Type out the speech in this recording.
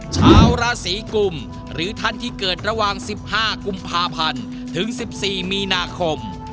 ชาวราศีกุมหรือท่านที่เกิดระหว่าง๑๕กุมภาพันธ์ถึง๑๔มีนาคม